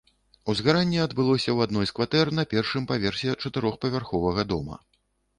Узгаранне адбылося ў адной з кватэр на першым паверсе чатырохпавярховага дома.